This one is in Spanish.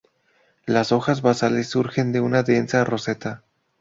Las hojas basales surgen de una densa roseta.